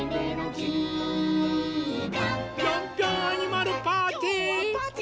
「ピョンピョンアニマルパーティー」！